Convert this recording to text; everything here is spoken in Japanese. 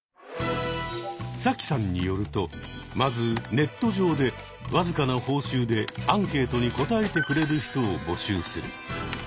サキさんによるとまずネット上で僅かな報酬でアンケートに答えてくれる人を募集する。